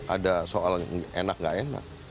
ada soal enak gak enak